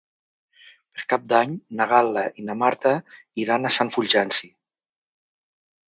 Per Cap d'Any na Gal·la i na Marta iran a Sant Fulgenci.